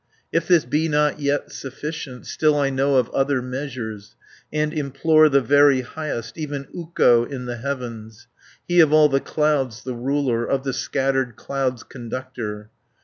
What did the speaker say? "If this be not yet sufficient, Still I know of other measures, And implore the very Highest, Even Ukko in the heavens, He of all the clouds the ruler, Of the scattered clouds conductor.